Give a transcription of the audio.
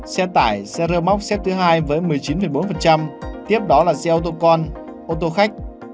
xe tải xe rơ móc xếp thứ hai với một mươi chín bốn tiếp đó là xe ô tô con ô tô khách